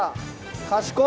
賢い！